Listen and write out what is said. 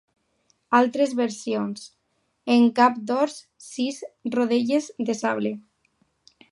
Altres versions: en camp d'ors, sis rodelles de sable.